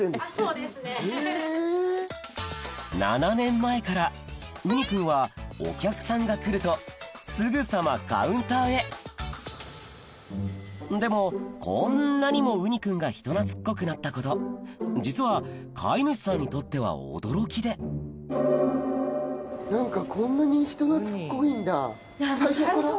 ７年前からウニくんはお客さんが来るとすぐさまカウンターへでもこんなにもウニくんが人懐っこくなったこと実は飼い主さんにとっては驚きで何か。